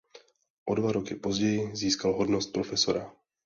O dva roky později získal hodnost profesora.